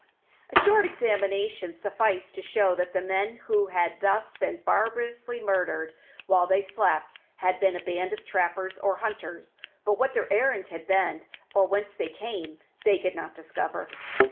A short examination sufficed to show that the men who had thus been barbarously murdered while they slept had been a band of trappers or hunters, but what their errand had been, or whence they came, they could not discover.